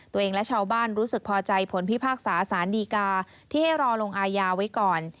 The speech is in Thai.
ตัวเองและชาวบ้านรู้สึกพอใจผลพิพากษาสารดีกาที่ให้รอลงอายาไว้ก่อน